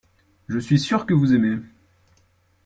Je suis sûr que vous aimez.